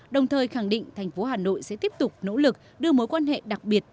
đồng thời khẳng định thành phố hà nội sẽ tiếp tục nỗ lực đưa mối quan hệ đặc biệt